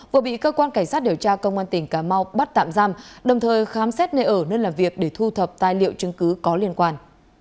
vừa bị cơ quan cảnh sát điều tra công an tỉnh cà mau bắt tạm giam đồng thời khám xét nơi ở nơi làm việc để thu thập tài liệu chứng cứ có liên quan